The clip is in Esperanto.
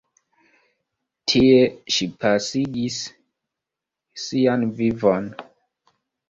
Tie ŝi pasigis sian vivon.